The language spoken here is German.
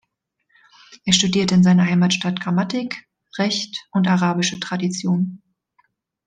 Er studierte in seiner Heimatstadt Grammatik, Recht und arabische Tradition.